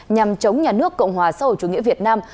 nhằm chống nhà nước cộng hòa xã hội chủ nghĩa việt nam